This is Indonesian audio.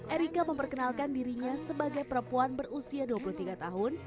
erika memperkenalkan dirinya sebagai perempuan berusia dua puluh tiga tahun